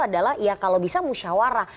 adalah ya kalau bisa musyawarah